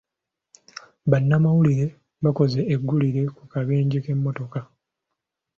Bannamawulire baakoze eggulire ku kabenje k'emmotoka.